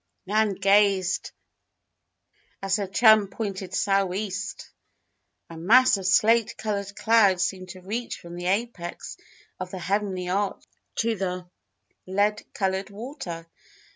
Nan gazed as her chum pointed "sou'east." A mass of slate colored clouds seemed to reach from the apex of the heavenly arch to the lead colored water.